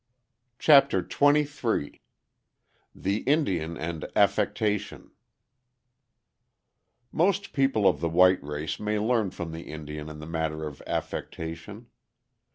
CHAPTER XXIII THE INDIAN AND AFFECTATION Most people of the white race may learn from the Indian in the matter of affectation.